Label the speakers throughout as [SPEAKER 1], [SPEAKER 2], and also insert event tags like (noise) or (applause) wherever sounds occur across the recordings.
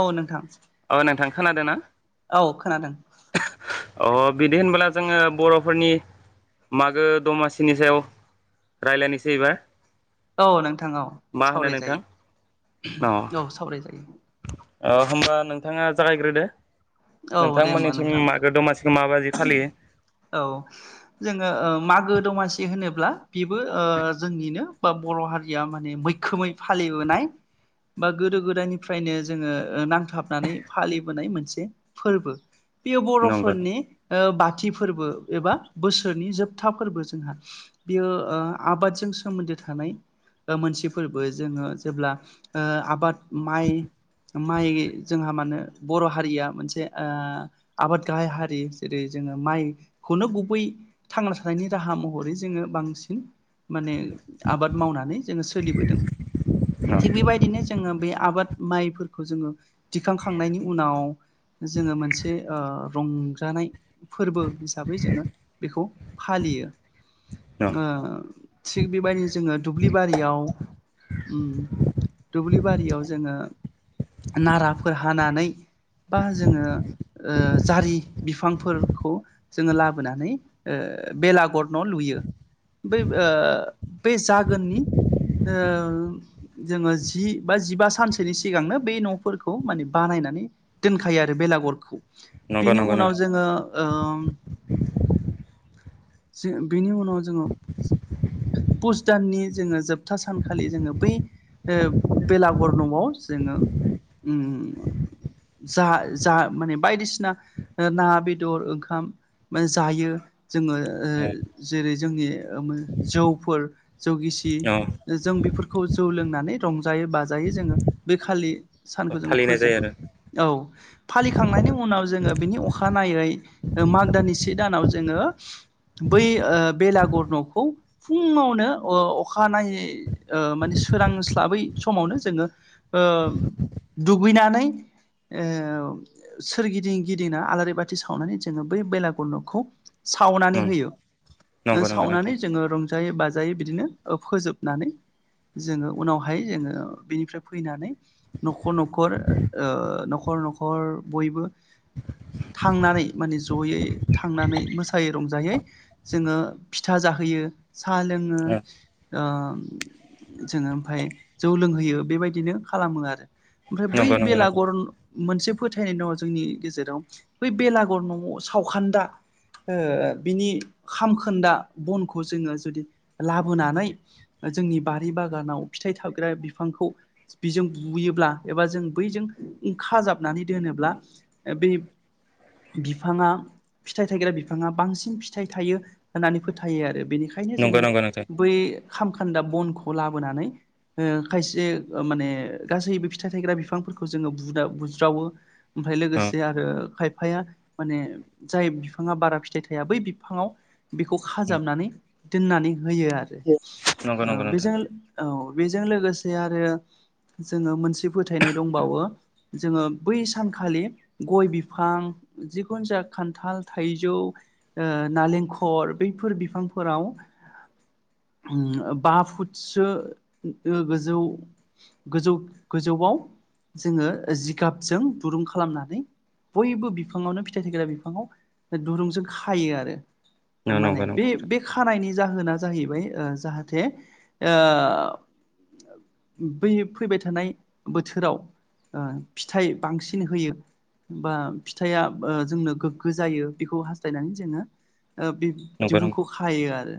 [SPEAKER 1] औ नोंथां
[SPEAKER 2] अ नोंथां खोनादों ना
[SPEAKER 1] औ खोनादों
[SPEAKER 2] अ बिदि होनबोला जोङो बर'फोरनि मागो दमासिनि सायाव राय्लायनोसै एबार
[SPEAKER 1] औ नोंथां औ
[SPEAKER 2] मा होनो नोंथां
[SPEAKER 1] सावरायजायो औ सावरायजायो।
[SPEAKER 2] अ होमबा नोंथाङा जागायग्रोदो।
[SPEAKER 1] औ दे होमबा
[SPEAKER 2] नोंथांमोननिसिम
[SPEAKER 1] नोंथां
[SPEAKER 2] मागो दमासि
[SPEAKER 1] औ जोङो ओ मागो दमासि होनो ब्ला बेबो ओ जोंनिनो बा बर' हारिया माने मैखोमै फालिबोनाय बा गोदो गोदायनिफ्रायनो जोङो नांथाबनानै फालिबोनाय मोनसे फोर्बो। बेयो
[SPEAKER 2] नंगौ
[SPEAKER 1] बर'फोरनि बाथि फोरबो एबा बोसोरनि जोबथा फोरबो जोंहा बेयो ओ आबादजों सोमोन्दो थानाय ओ मोनसे फोरबो जोङो जेब्ला ओ आबाद माइ माइ जोंहा माहोनो बर' हारिया मोनसे ओ आबाद गाहाय हारि। जेरै जोङो माइखौनो गुबै थांना थानायनि राहा महरै जोङो बांसिन माने आबाद मावनानै जोङो सोलिबोदों थिग
[SPEAKER 2] न
[SPEAKER 1] बेबायदिनो जोङो बे आबाद माइफोरखौ जोङो दिखांखांनायनि उनाव जोङो मोनसे ओ रंजानाय फोरबो हिसाबै जोङो बेखौ फालियो ओ थिग बेबायदिनो जोङो दुब्लि बारियाव दुब्लिारि जोङो नाराफोर हानानै बा जोङो ओ जा फांफोरखौ जोङो लाबोनानै ओ बेलागर न' लुयो बै ओ बे जागोननि ओं जोङो जि बा जिबा सानसेनि सिगांनो बे न'फोरखौ माने बानायनानै दोनखायो आरो बेलागरखौ।
[SPEAKER 2] नंगौ
[SPEAKER 1] बिनि
[SPEAKER 2] नंगौ नो
[SPEAKER 1] (inaudible) ना बेदर ओंखाम जायो जोङो ओ जेरै जोंनि जौफोर। जौगिसि
[SPEAKER 2] औ
[SPEAKER 1] जों बेफोर खौ जौ लोंनानै रंजायो बाजायो जोङो बे खालि। सानखौ जोङो
[SPEAKER 2] फालिनाय जायो
[SPEAKER 1] फोजोबो
[SPEAKER 2] आरो
[SPEAKER 1] औ फालिखांनायनि उनाव जोङो। बिनि अखा नायै माग दाननि से दानाव जोङो बै ओ बेलागर न'खौ फुङावनो ओ अखानायै ओ माने सोरांस्लाबै समावनो ओ जोङो दुगैनानै ओ सोरगिदिं गिदिंना आला बाथि सावनानै जोङो बै बेलागुर नखौ सावनानै होयो। ओ
[SPEAKER 2] नंगौ नंगौ नोंथां
[SPEAKER 1] सावनानै जोङो रंजा जायै बाजायै बिदिनो फोजोबनानै जोङो उनावहाय जोङो बिनिफ्राय फैनानै नखर नखर ओ नखर नखर बयबो। थांनानै माने जयै थांनानै मोसायै रंजायै जोङो फिथा जाहोयो साहा लोङो जोङो ओ जोंङो ओमफाय जौ लोंहोयो बेबायदिनो खालामो आरो। ओमफ्राय बै
[SPEAKER 2] नंगौ नंगौ नोंथां
[SPEAKER 1] बेलागुर। मोनसे फोथायनाय दङ जोंनि गेजेराव। बै बेलागर नआव सावखान्दा ओ बिनि खामखोन्दा बनखौ जोङो जुदि लाबोनानै जोंनि बारि बागानाव फिथाइ थाग्रा बिफांखौ बिजों बुयोब्ला एबा जों बैजों खाजाबनानै दोनोब्ला बे बिफाङा फिथाइ थायग्रा बिफाङा बांसिन फिथाइ थायो होननानै फोथायो आरो बेनिखा यनो
[SPEAKER 2] नंगौ
[SPEAKER 1] जोङो
[SPEAKER 2] नंगौ नोंथां
[SPEAKER 1] बै खामखान्दा बनखौ लाबोनानै ओ खायसे माने गासैबो फिथाइ थायग्रा बिफांफोरखौ जोङो बुदा बुज्रावो ओमफ्राय लोगोसे आरो खाय फाया माने जाय बिफाङा बारा फिथाइ थाया बै बिफाङाव बेखौ खाजाबनानै दोननानै होयो आरो। ओ
[SPEAKER 2] नंगौ-नंगौ नोंथां।
[SPEAKER 1] बेजों औ बेजों लोगोसे आरो जोङो मोनसे फोथायनाय दंबावो जोङो बै सानखालि गय बिफां। जिखुनु जाया खान्थाल थाइजौ ओ नालेंखर बैफोर बिफांफोराव बा फुटसो गोजौ गोजौ गोजौआव जोङो जिगाबजों दुरुं खालामनानै बयबो बिफां बिफांयावनो फिथाइ थैग्रा बिफाङाव दुरुंजों खायो आरो।
[SPEAKER 2] नंगौ
[SPEAKER 1] माने
[SPEAKER 2] नंगौ नोंथां
[SPEAKER 1] बे-बे खानायनि। जाहोना जाहैबाय ओ जाहाथे ओ बै फैबाय थानाय बोथोराव ओ फिथाइ बांसिन होयो बा फि थाइआ ओ जोंनो गोग्गो जायो बेखौ हास्थायनानै जोङो ओ बे
[SPEAKER 2] नंगौ
[SPEAKER 1] दिरुंखौ खायो आरो।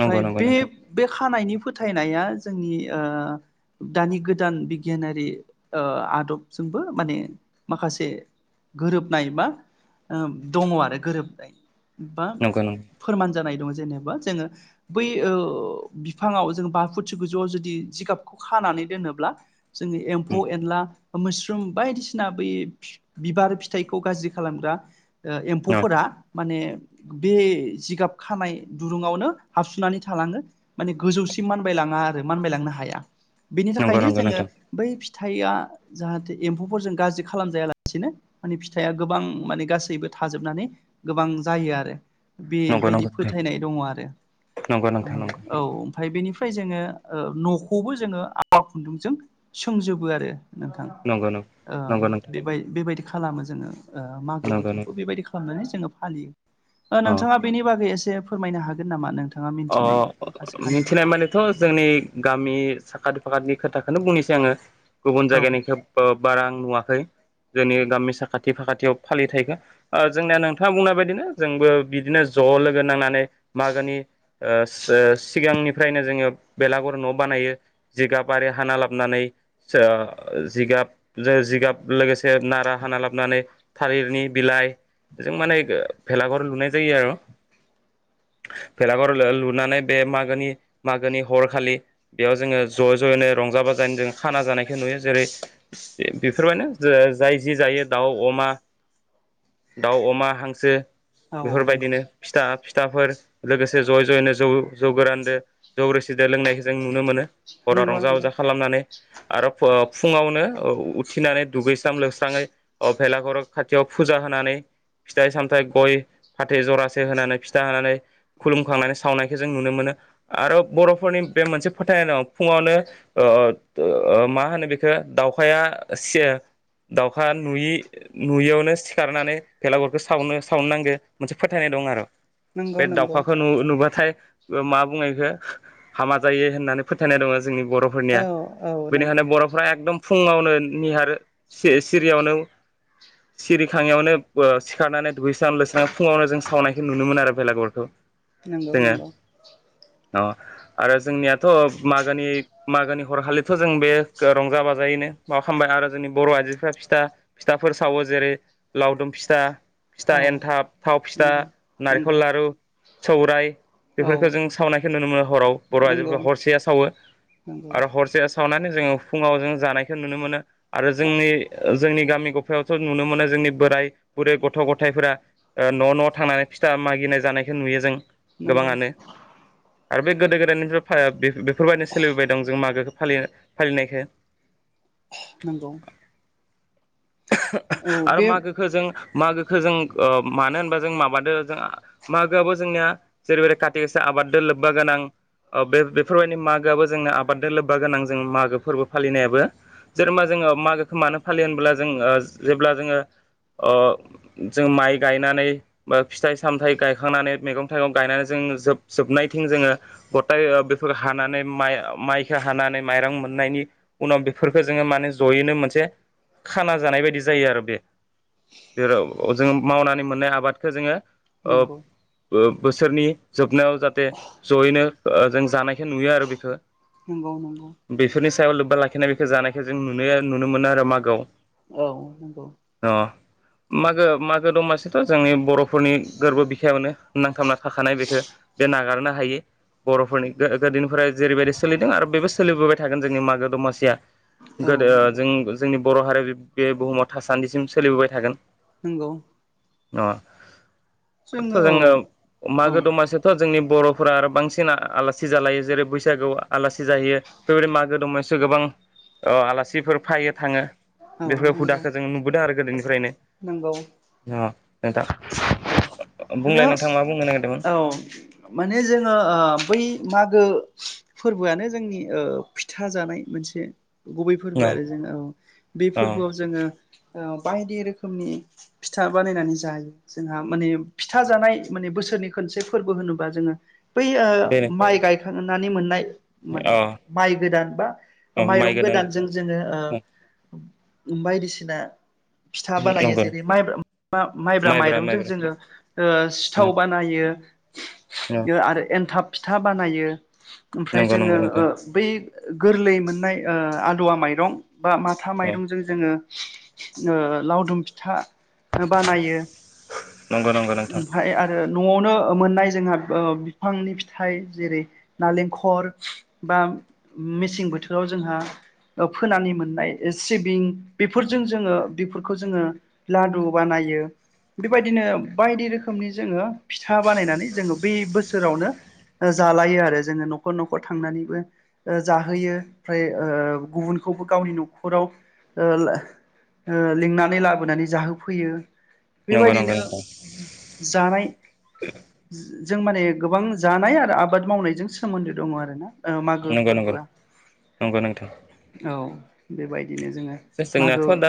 [SPEAKER 2] नंगौ नंगौ नोंथां
[SPEAKER 1] बे-बे खानायनि फो थायनाया जोंनि ओ दानि गोदान बिगियानारि ओ आदबजोंबो माने माखासे गोरोबनाय बा ओ दङ आरो गोरोबनाय। बा
[SPEAKER 2] नंगौ नंगौ
[SPEAKER 1] फोरमान जानाय दं जेनेबा जोङो बै ओ बिफांआव जों बा (unintelligible) जुदि जिगाबखौ खानानै दोनोब्ला जोङो एम्फौ एनला मोस्रोम बायदिसिना बै फि बिबार फि थाइखौ गाज्रि खालामग्रा ओ एम्फौफोरा माने बे जिगाब खानाय दुरुङावनो हाबसुनानै थालाङो माने गोजौसिम मानबायलाङा आरो मानबायलांनो हाया। बिनि
[SPEAKER 2] नंगौ
[SPEAKER 1] थाखायनो
[SPEAKER 2] नंगौ
[SPEAKER 1] जोङो
[SPEAKER 2] नोंथां
[SPEAKER 1] बै फि थाइया जाहाथे एम्फौफोरजों गाज्रि खालामजायालासिनो माने फिथाइआ गोबां माने गासैबो थाजोबनानै गोबां जायो आरो।
[SPEAKER 2] नंगौ नंगौ
[SPEAKER 1] बेबायदि
[SPEAKER 2] नोंथां
[SPEAKER 1] फोथायनाय दङ आरो
[SPEAKER 2] नंगौ
[SPEAKER 1] ओ
[SPEAKER 2] नोंथां नंगौ
[SPEAKER 1] औ ओमफ्राय बेनिफ्राय जोङो ओ न'खौबो जोङो आवा खुन्दुंजों सोंजोबो आरो नोंथां
[SPEAKER 2] नंगौ नंगौ
[SPEAKER 1] ओ
[SPEAKER 2] नंगौ नोंथां
[SPEAKER 1] बेबाय-बेबायदि खालामो जोङो ओ मागो
[SPEAKER 2] नंगौ
[SPEAKER 1] बोथोरखौ
[SPEAKER 2] नंगौ
[SPEAKER 1] बेबायदि खालामनानै जोङो फालियो
[SPEAKER 2] अ
[SPEAKER 1] नोंथाङा बेनि बागै एसे फोरमायनो हागोन नामा नोंथ
[SPEAKER 2] अ मिथिनाय मानेथ' जोंनि गामि साखाथि फाखाथि खोथाखौनो बुंनोसै आङो गुबुन
[SPEAKER 1] औ
[SPEAKER 2] जायगानि खोब बारा नुवाखै जोंनि गामि साखाथि फाखाथियाव फालिथायाइखौ जोंनिया नोंथाङा बुंनाय बायदिनो जोंबो बिदिनो ज' लोगो नांनानै मागोनि ओस ओस सिगांनिफ्रायनो जोङो बेलागुर न' बानायो जिगाब आरि हाना लाबोनानै ओ जिगाब जिगाब लोगोसे नारा हाना लाबोनानै थालिरनि बिलाइ जों माने भेलागुर लुनाय जायो आरो भेलागुर लो-लुनानै बे मागोनि मागोनि हरखालि बेयाव जोङो ज' ज'यैनो रंजा बाजायै जों खाना जानायखौ नुयो जेरै- बेफोरबायनो जौ जाय जि जायो दाउ अमा दाउ अमा हांसो
[SPEAKER 1] औ नंगौ
[SPEAKER 2] बेफोरबायदिनो फिथा फि थाफोर लोगोसे ज'यै ज'यैनो जौ जौ गोरानदो जों जौ रोसिदो लोंनायखौ जों नुनो मोनो। हराव
[SPEAKER 1] नंगौ
[SPEAKER 2] रंजा बाजा खालामनानै आरो फो-फुङावनो उ-उथिनानै दुगैस्रां लोबस्राङै ओ भेलागुर खाथियाव फुजा होनानै फिथाइ सामथाइ गय फाथै जरासे होनानै फिथा होनानै माने सावनायखौ जों नुनो मोनो आरो बर'फोरनि बे मोनसे फोथायनाय दं फुङावनो ओ ओ मा होनो बेखौ दावउखाया सिया दाउखा नुयि नुयियावनो सिखारनानै भेलागुरखौ सावनो सावनो नांगो मोनसे फोथायनाय दं आरो।
[SPEAKER 1] नंगौ नंगौ
[SPEAKER 2] खाखौ नु-नुबाथाय ओ मा बुङो इखौ हामा जायो होननानै फोथायनाय दङ। जोंनि
[SPEAKER 1] औ
[SPEAKER 2] बर'फोरनिया
[SPEAKER 1] औ नंगौ
[SPEAKER 2] बेनिखायनो बर'फ्रा एकदम। फुङावनो निहार सिरियावनो सिरिखाङियावनो सिखारनानै दुइैस्रां लुस्रांनानै फुङावनो जों सावनायखौ नुनो मोनो आरो बेलागुरखौ।
[SPEAKER 1] नंगौ
[SPEAKER 2] जोङो
[SPEAKER 1] नंगौ।
[SPEAKER 2] अ आरो जोंनियाथ' मागोनि मागोनि हरखालिथ' जों बे रंजा बाजायैनो माबा खालामबाय आरो जोंनि बर' आइजोफ्रा फिथा फिथाफोर सावो जेरै लावदुम फिथा।
[SPEAKER 1] औ
[SPEAKER 2] फिथा एन्थाब थाव फिथा
[SPEAKER 1] नंगौ नंगौ
[SPEAKER 2] नारेंखल लारु। सौरायाइ
[SPEAKER 1] औ
[SPEAKER 2] बेफोरखौ जों सावनायखौ नुनो मोनो हराव बर'
[SPEAKER 1] नंगौ
[SPEAKER 2] आइजोफोरखौ हरसेया सावो
[SPEAKER 1] नंगौ
[SPEAKER 2] आरो हरसेया सावनाय। जोङो फुङाव जों जानायखौ नुनो मोनो। आरो
[SPEAKER 1] औ
[SPEAKER 2] जोंनि जोंनि। गामि गफायावथ' नुनो मोनो जोंनि बोराय बुरै गथ' गथायफोरा न' न'आव थांनानै फिथा मागिनाय जानाय। बेखौ नुयो जों।
[SPEAKER 1] नंगौ
[SPEAKER 2] गोबाङानो। आरो बे गोदो गोदायनिफ्राय। बेफोरबायदिनो सोलिबोबाय दं जों मागोखौ। फालिया फालिनायखौ
[SPEAKER 1] नंगौ औ
[SPEAKER 2] (unintelligible) आरो
[SPEAKER 1] बे
[SPEAKER 2] मागोखौ जों मागोखौ जों ओ मानो होनबा जों माबादो जों मागोआबो जोंनिया जेरैबायै खाथिगासा आबादजों लोब्बा गोनां ओ बे बेफोरबायदि मागोआबो जोंनिया आबादजों लोब्बा गोनां जों मागो फोरबो फालिनायाबो जेनेबा जोङो मागोखौ मानो फालियोब्ला ज जों जेब्ला जोङो ओ जों माइ गायनानै बा फिथाइ सामथ गायखांनानै मैगं थाइगं गायनानै जों जोब जोबनाय थिं जोङो गथाय बेफोरखौ हानानै माइ माइखौ हानानै माइरं मोननायनि उनाव बेफोरखौ जोङो माने जयैनो मोनसे खाना जानाय बायदि जायो आरो बे जिराव जोङो मावनानै मोननाय आबादखौ जोङो आ
[SPEAKER 1] नंगौ
[SPEAKER 2] बो बोसोरनि जोबनायाव जाहाथे सयैनो ओ जों जानाय नुयो आरो बेखौ
[SPEAKER 1] नंगौ नंगौ
[SPEAKER 2] बेफोरनि सा सायाव लोब्बा लाखिनाय बेखौ जानायखौ जों नुनो नु मोनो आरो मागोआव।
[SPEAKER 1] औ नंगौ।
[SPEAKER 2] माग म दमासिथ' जोंनि बर'फोरनि गोरबो बिखायायावानो नांथाबना थाखानाय बेखौ बे नागारनो हायो हायो बर'फोरनि गो गोदोनिफ्राय जेरैबायदि सोलिदों आरो बेबो सोलिबोबाय थागोन जोंनि मागो दमासिया
[SPEAKER 1] औ
[SPEAKER 2] गोदो
[SPEAKER 1] नंगौ
[SPEAKER 2] जों जोंनि बर' हारि बे बुहुमाव थासान्दिसिम सोलिबोबाय थागोन
[SPEAKER 1] नंगौ
[SPEAKER 2] अ आरोथ' जोङो
[SPEAKER 1] औ
[SPEAKER 2] मागो दमासिथ' जोंनि बर'फोरा आरो बांसिन आ आलासि जालायो जेरै बैसागो आलासि जाहैयो बेबायदि मागो दंसो गोबां आलासिफोर फैयो थाङो
[SPEAKER 1] औ
[SPEAKER 2] बे
[SPEAKER 1] नंगौ
[SPEAKER 2] हुदाखौ जों नुबोदों आरो
[SPEAKER 1] नंगौ
[SPEAKER 2] गोदोनिफ्रायनो नोंथां
[SPEAKER 1] औ जोङो
[SPEAKER 2] बुंलाय नोंथां मा बुंनो नागिरदोंमोन
[SPEAKER 1] औ माने जोङो ओ बै मागो फोरबोआनो जोंनि ओ फिथा जानाय मोनसे गुबै
[SPEAKER 2] अ
[SPEAKER 1] फोरबो आरो जोङो औ बे
[SPEAKER 2] अ
[SPEAKER 1] फोरबोआव जोङो ओ बायदि रोखोमनि फिथा बानायनानै जायो जोंहा माने फिथा जानाय माने बोसोरनि खनसे फोरबो होनोबा जोङो बै
[SPEAKER 2] बेनो
[SPEAKER 1] ओ माइ गाय नुनानै मोननाय
[SPEAKER 2] अ
[SPEAKER 1] माने माइ गोदान बा
[SPEAKER 2] अ माइ
[SPEAKER 1] माइरं
[SPEAKER 2] गोदान
[SPEAKER 1] गोदानजों जोङो ओ बायदिसिना फिथा बानायो
[SPEAKER 2] नंगौ
[SPEAKER 1] जेरै मा माइब्रा माइ
[SPEAKER 2] माइब्रा
[SPEAKER 1] माइरंजों
[SPEAKER 2] माइब्रा
[SPEAKER 1] जोङो ओ सिथाव बानायो बे आरो एनथाब फिथा बानायो ओमफ्राय
[SPEAKER 2] नंगौ नंगौ
[SPEAKER 1] जोङो
[SPEAKER 2] नोंथां
[SPEAKER 1] बै गोरलै मोननाय ओ आदुवा माइरं बा माथा माइरंजों जोङो ओ लावदुम फिथा बानायो
[SPEAKER 2] नंगौ नंगौ नोंथां
[SPEAKER 1] ओमफाय आरो न'आवनो ओ मोननाय जोंहा बिफांनि फिथाइ जेरै नालेंखर बा मेसें बोथोराव जोंहा फोनानै मोननाय सिबिं बेफोरजों जोङो बेफोरखौ जोङो लादु बानायो बेबाय दिनो बायदि रोखोमनि जोङो फिथा बानायनानै जोङो बै बोसोरावनो जालायो आरो जोङो न'खर न'खर थांनानैबो ओ जाहोयो ओमफ्राय ओ गुबुनखौबो गावनि न'खराव ओ लिंनानै लाबोनानै जाहोफैयो
[SPEAKER 2] नंगौ नंगौ नोंथां
[SPEAKER 1] बेबायदिनो हेल'
[SPEAKER 2] नंगौ
[SPEAKER 1] जानाय सो जों माने गोबां जानाय आरो आबाद मावनायजों सोमोन्दो दङ आरो ना ओ मागो
[SPEAKER 2] नंगौ
[SPEAKER 1] फोरबोआ औ बेबायद
[SPEAKER 2] जो जोंनाथ' दा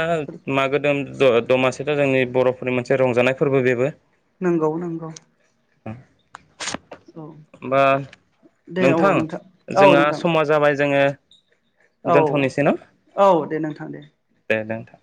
[SPEAKER 2] मागो दोम द दमासिथ' जोंनि बर'फोरनि मोनसे रंजानाय फोरबो बेबो।
[SPEAKER 1] नोंगौ नोंगौ।
[SPEAKER 2] बा
[SPEAKER 1] दे औ
[SPEAKER 2] नोंथां
[SPEAKER 1] औ
[SPEAKER 2] जोंहा
[SPEAKER 1] नोंथां
[SPEAKER 2] समा जाबाय जोङो
[SPEAKER 1] औ
[SPEAKER 2] दोनथ'नोसै न'
[SPEAKER 1] औ दे नोंथां दे
[SPEAKER 2] दे नोंथां